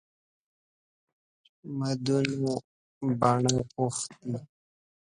مدونه بڼه وښتي.